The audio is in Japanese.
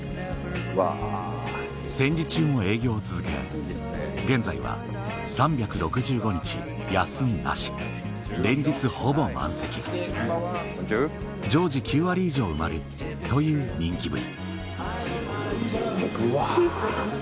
戦時中も営業を続け現在は３６５日休みなし連日ほぼ満席常時９割以上埋まるという人気ぶりうわ。